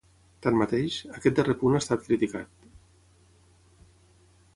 Tanmateix, aquest darrer punt ha estat criticat.